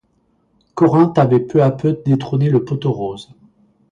Corinthe avait peu à peu détrôné le Pot-aux-Roses.